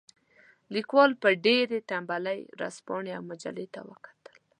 لیکوال په ډېرې تنبلۍ ورځپاڼې او مجلې ته وکتل.